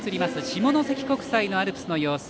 下関国際のアルプスの様子